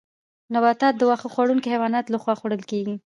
نباتات د واښه خوړونکو حیواناتو لخوا خوړل کیږي